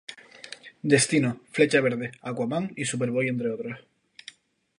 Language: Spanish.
Destino, Flecha Verde, Aquaman y Superboy entre otros.